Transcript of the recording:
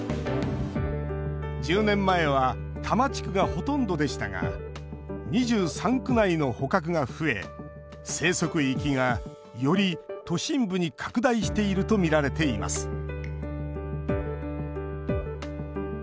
１０年前は多摩地区がほとんどでしたが２３区内の捕獲が増え生息域が、より都心部に拡大しているとみられています